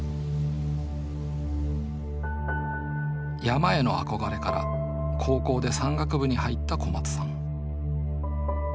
山への憧れから高校で山岳部に入った小松さん。